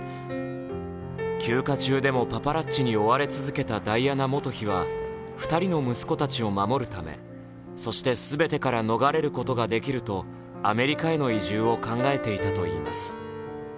休暇中でもパパラッチに追われ続けたダイアナ元皇太子妃は２人の息子たちを守るため、そして全てから逃れることができるとアメリカへの移住を考えていたといいます。